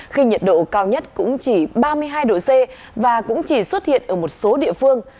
khi nhiệt độ cao nhất cũng chỉ ba mươi hai độ c và cũng chỉ xuất hiện ở một số địa phương